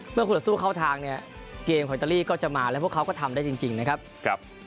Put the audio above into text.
คู่ต่อสู้เข้าทางเนี่ยเกมของอิตาลีก็จะมาแล้วพวกเขาก็ทำได้จริงนะครับ